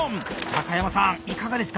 山さんいかがですか？